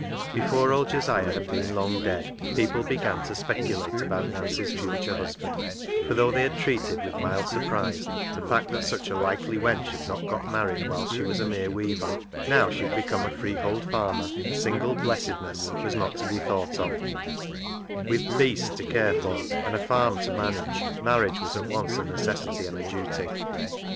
Before old Josiah had been long dead, people began to speculate about Nancy's future hus band ; for though they had treated with mild surprise the fact that such a " likely wench " had not got married whilst she was a mere weaver, now she had become a freehold farmer single blessedness was not to be thought of With " beeasts " to care for and a farm to manage, marriage was at once a necessity and a duty.